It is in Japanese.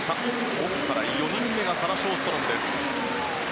奥から４人目がサラ・ショーストロムです。